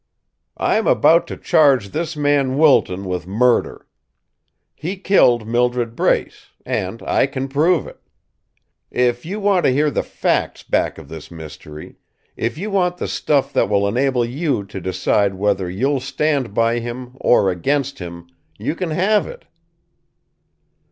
I'm about to charge this man Wilton with murder. He killed Mildred Brace, and I can prove it. If you want to hear the facts back of this mystery; if you want the stuff that will enable you to decide whether you'll stand by him or against him, you can have it!"